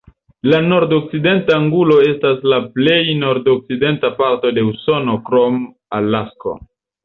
La Nordokcidenta Angulo estas la plej nordokcidenta parto de Usono krom Alasko.